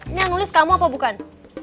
ini yang nulis kamu apa bukan